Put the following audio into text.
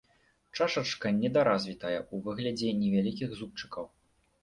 Чашачка недаразвітая ў выглядзе невялікіх зубчыкаў.